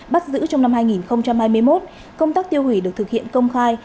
bắt giữ trong năm hai nghìn hai mươi một công tác tiêu hủy được thực hiện công khai